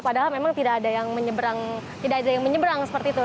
padahal memang tidak ada yang menyebrang seperti itu